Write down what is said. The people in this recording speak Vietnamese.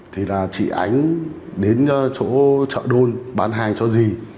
thì là chị ánh đến chỗ chợ đôn bán hàng cho dì